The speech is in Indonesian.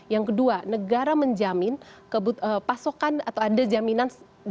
yang kedua negara menjamin pasokan atau ada jaminan